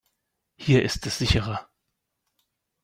Hier ist es sicherer.